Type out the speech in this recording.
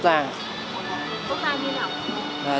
tốt hay như nào